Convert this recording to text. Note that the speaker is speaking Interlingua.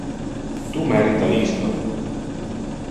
Tu merita isto.